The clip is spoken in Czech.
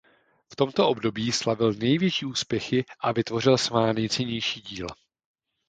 V tomto období slavil největší úspěchy a vytvořil svá nejcennější díla.